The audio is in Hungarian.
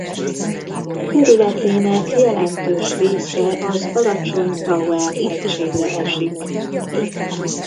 Területének jelentős része az Alacsony-Tauern hegységre esik.